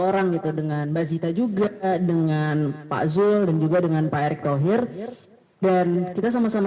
orang gitu dengan mbak zita juga dengan pak zul dan juga dengan pak erick thohir dan kita sama sama